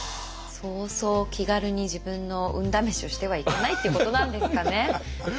そうそう気軽に自分の運試しをしてはいけないということなんですかね。